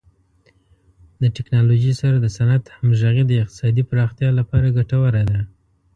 د ټکنالوژۍ سره د صنعت همغږي د اقتصادي پراختیا لپاره ګټوره ده.